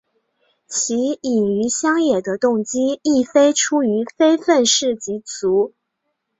其隐于乡野的动机亦非出于非愤世嫉俗。